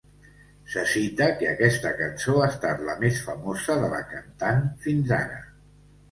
Se cita que aquesta cançó ha estat la més famosa de la cantant fins ara.